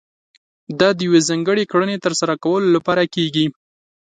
دا د يوې ځانګړې کړنې ترسره کولو لپاره کېږي.